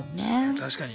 確かに。